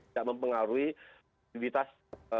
tidak mempengaruhi aktivitas